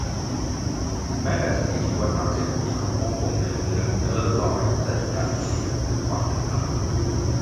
แม้ดัชนีชี้วัดทางเศรษฐกิจของฮ่องกงในมุมหนึ่งจะเลิศลอย แต่อีกด้านของเหรียญคือความเหลื่อมล้ำ